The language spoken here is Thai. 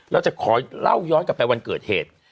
เราจะขอเล่าย้อนกลับไปวันเกิดเหตุ